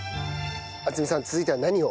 敦美さん続いては何を？